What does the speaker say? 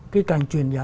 cái cảnh chuyển giá